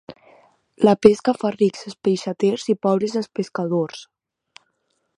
La pesca fa rics els peixaters i pobres els pescadors.